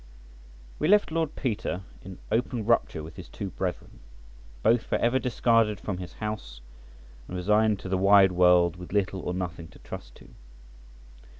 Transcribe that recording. WE left Lord Peter in open rupture with his two brethren, both for ever discarded from his house, and resigned to the wide world with little or nothing to trust to.